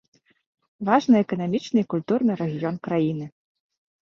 Важны эканамічны і культурны рэгіён краіны.